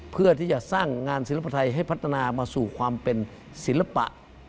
เพื่อที่จะสร้างงานศิลปไทยให้พัฒนามาสู่ความเป็นศิลปะ